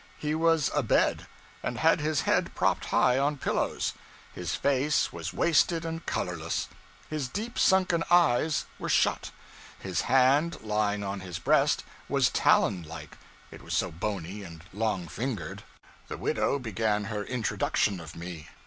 He was abed, and had his head propped high on pillows; his face was wasted and colorless, his deep sunken eyes were shut; his hand, lying on his breast, was talon like, it was so bony and long fingered. The widow began her introduction of me.